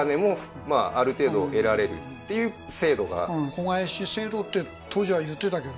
子返し制度って当時は言ってたけどね